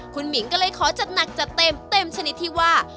คุณหมิงก็เลยขอจัดหนักจัดเต็มเต็มชนิดที่ว่า